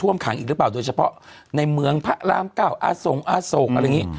ต้มขังอีกหรือบ้างโดยเฉพาะแหมือนค่ะล่าเก่าอสงอสกอะไรงี้